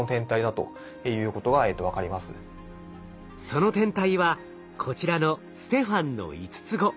その天体はこちらのステファンの５つ子。